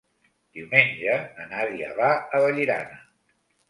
Diumenge na Nàdia va a Vallirana.